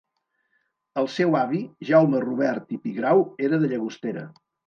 El seu avi Jaume Robert i Pigrau era de Llagostera.